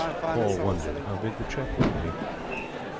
Paul wondered how big the cheque would be.